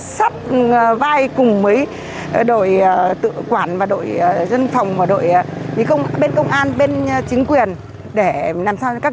sắp vai cùng với đội tự quản và đội dân phòng và đội bên công an bên chính quyền để làm sao các chốt cho nó an toàn